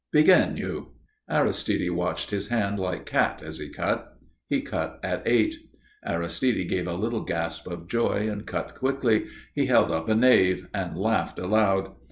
"Begin, you." Aristide watched his hand like cat, as he cut. He cut an eight. Aristide gave a little gasp of joy and cut quickly. He held up a Knave and laughed aloud.